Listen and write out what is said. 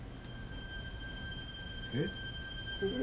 えっ？